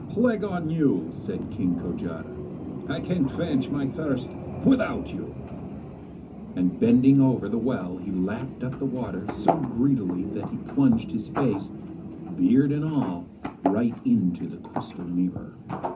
'Plague on you!' said King Kojata. 'I can quench my thirst without you,' and bending over the well he lapped up the water so greedily that he plunged his face, beard and all, right into the crystal mirror.